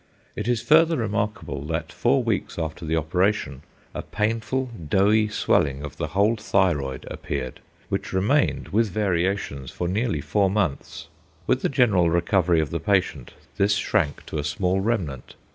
It is further remarkable that four weeks after the operation a painful doughy swelling of the whole thyroid appeared, which remained, with variations, for nearly four months. With the general recovery of the patient this shrank to a small remnant.